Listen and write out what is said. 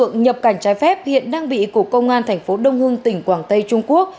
đối tượng nhập cảnh trái phép hiện đang bị cục công an thành phố đông hưng tỉnh quảng tây trung quốc